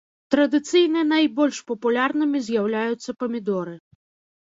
Традыцыйна найбольш папулярнымі з'яўляюцца памідоры.